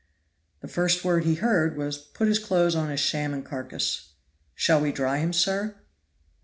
The first word he heard was, "Put his clothes on his shamming carcass "Shall we dry him, sir?"